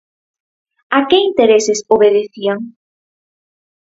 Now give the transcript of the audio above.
¿A que intereses obedecían?